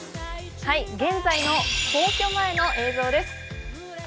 現在の皇居前の映像です。